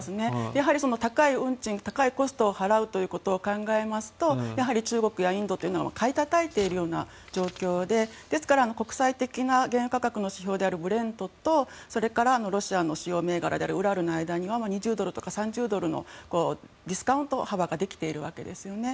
やはり高い運賃、高いコストを払うということを考えますとやはり中国やインドというのは買いたたいているというような状況でですから、国際的な原油価格の指標であるものやそれからロシアの使用銘柄であるウラルの間にはディスカウント幅ができているわけですね。